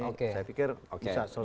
saya pikir bisa selesai kalau